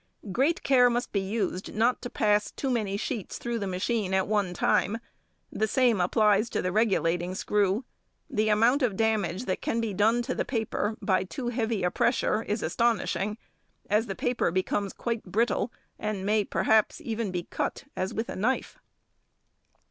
Great care must be used not to pass too many sheets through the machine at one time; the same applies to the regulating screw. The amount of damage that can be done to the paper by too heavy a pressure is astonishing, as the paper becomes quite brittle, and may perhaps even be cut as with a knife.